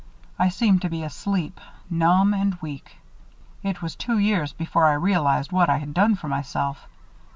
I seemed to be asleep numb and weak. It was two years before I realized what I had done for myself.